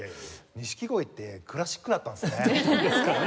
錦鯉ってクラシックだったんですね。